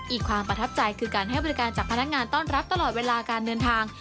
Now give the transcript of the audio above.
ความประทับใจคือการให้บริการจากพนักงานต้อนรับตลอดเวลาการเดินทาง